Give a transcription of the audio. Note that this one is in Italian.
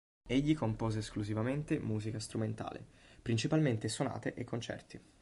Egli compose esclusivamente musica strumentale, principalmente sonate e concerti.